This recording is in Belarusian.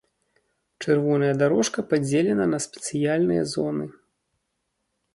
Чырвоная дарожка падзелена на спецыяльныя зоны.